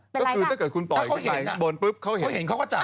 ก็คือถ้าเกิดคุณปล่อยกับไฟบนปุ๊บเขาเห็นเขาก็จับ